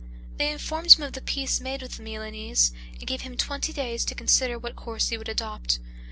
They informed him of the peace made with the Milanese, and gave him twenty days to consider what course he would adopt.